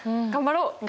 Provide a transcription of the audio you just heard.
頑張ろう！